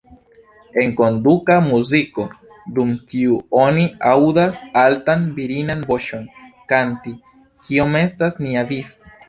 Enkonduka muziko, dum kiu oni aŭdas altan virinan voĉon kanti ""Kio estas nia viv'?